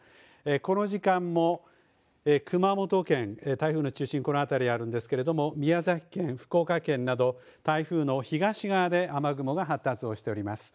この時間も熊本県、台風の中心、このあたりにあるんですけれども、宮崎県、福岡県など台風の東側で雨雲が発達をしております。